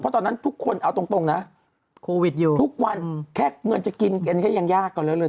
เพราะตอนนั้นทุกคนเอาตรงนะโควิดอยู่ทุกวันแค่เงินจะกินกันก็ยังยากก่อนแล้วเลย